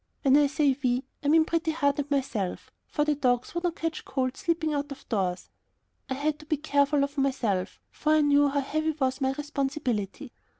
When I say "we," I mean Pretty Heart and myself, for the dogs would not catch cold sleeping out of doors. I had to be careful of myself, for I knew how heavy was my responsibility.